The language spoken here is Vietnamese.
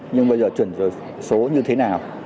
nhưng bây giờ chuyển đổi số như thế nào